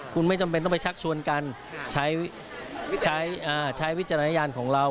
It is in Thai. คุณไม่จำเป็นต้องไปชักชวนกันใช้วิจารณญาณของเรา